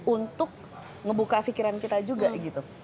untuk ngebuka pikiran kita juga gitu